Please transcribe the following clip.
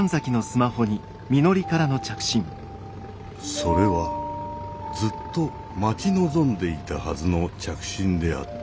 それはずっと待ち望んでいたはずの着信であった。